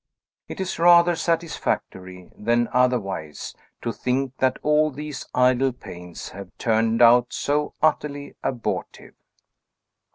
It is rather satisfactory than otherwise, to think that all these idle pains have turned out so utterly abortive.